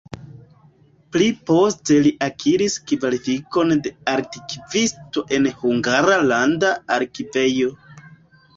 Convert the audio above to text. Pli poste li akiris kvalifikon de arkivisto en la Hungara Landa Arkivejo.